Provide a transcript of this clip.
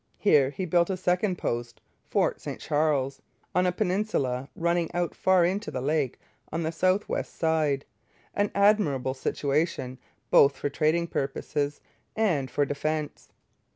Here he built a second post, Fort St Charles, on a peninsula running out far into the lake on the south west side an admirable situation, both for trading purposes and for defence.